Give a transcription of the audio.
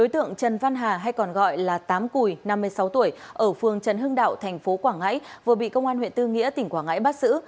tượng trần văn hà hay còn gọi là tám cùi năm mươi sáu tuổi ở phương trần hưng đạo thành phố quảng ngãi vừa bị công an huyện tư nghĩa tỉnh quảng ngãi bắt giữ